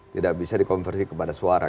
tidak bisa dikonversi kepada suara